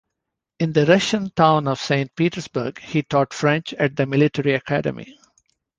In the Russian town of Saint Petersburg he taught French at the military academy.